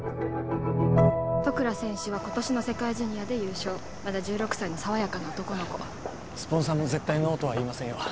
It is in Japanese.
戸倉選手は今年の世界ジュニアで優勝まだ１６歳の爽やかな男の子スポンサーも絶対ノーとは言いませんよ